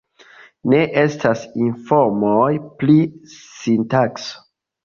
Ne estas informoj pri sintakso.